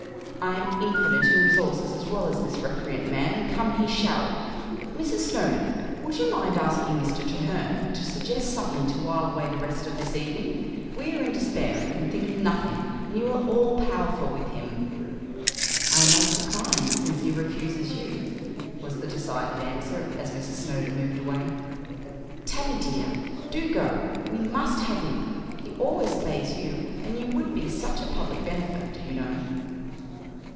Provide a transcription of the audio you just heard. I am infinite in resources as well as this recreant man, and come he shall. Mrs. Snowdon, would you mind asking Mr. Treherne to suggest something to wile away the rest of this evening? We are in despair, and can think of nothing, and you are all powerful with him." "I must decline, since he refuses you" was the decided answer, as Mrs. Snowdon moved away. "Tavie, dear, do go; we must have him; he always obeys you, and you would be such a public benefactor, you know."